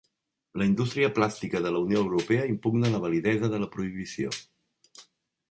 La indústria plàstica de la Unió Europea impugna la validesa de la prohibició.